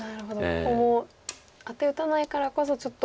ここもアテ打たないからこそちょっと。